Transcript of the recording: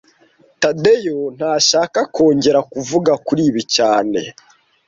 Tadeyo ntashaka kongera kuvuga kuri ibi cyane